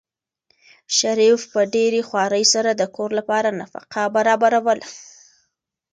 شریف په ډېرې خوارۍ سره د کور لپاره نفقه برابروله.